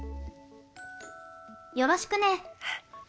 よろしくね。